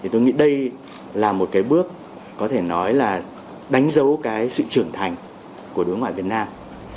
tôi nghĩ đây là một bước có thể nói là đánh dấu sự trưởng thành của đối ngoại việt nam